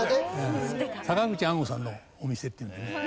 坂口安吾さんのお店っていうのでね。